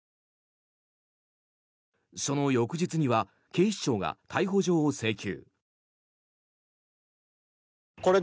その翌日には警視庁が逮捕状を請求。